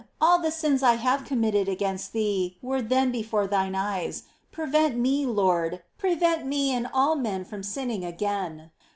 all the sins I have committed against Thee were then before Thine eyes. Prevent me. Lord, prevent me and all men from sinning again